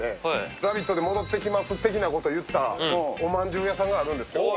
「ラヴィット！」で戻ってきます的なことを言ったおまんじゅう屋さんがあるんです。